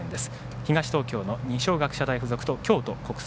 東東京の二松学舎大付属と京都国際。